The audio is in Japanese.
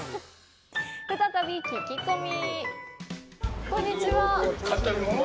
再び聞き込み。